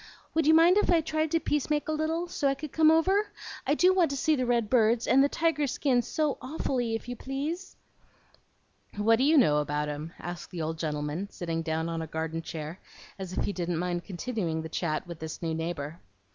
Would you mind if I tried to peace make a little, so I could come over? I do want to see the red birds and the tiger skin awfully, if you please." "What do you know about 'em?" asked the old gentleman, sitting down on a garden chair, as if he didn't mind continuing the chat with this new neighbor.